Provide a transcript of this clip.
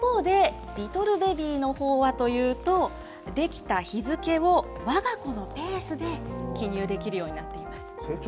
一方で、リトルベビーのほうはというと、できた日付をわが子のペースで記入できるようになっています。